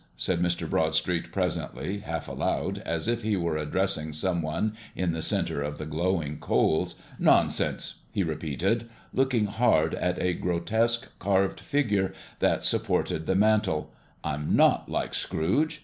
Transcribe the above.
said Mr. Broadstreet presently, half aloud, as if he were addressing some one in the center of the glowing coals. "Nonsense!" he repeated, looking hard at a grotesque, carved figure that supported the mantel: "I'm not like Scrooge.